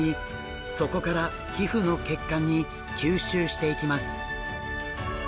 そこから皮膚の血管に吸収していきます。